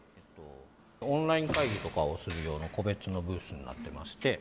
オンライン会議とかをするような個別のブースになってまして。